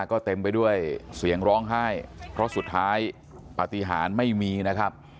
ก็เต็มไปด้วยเสียงร้องไห้เพราะสุดท้ายปฏิหารไม่มีนะครับ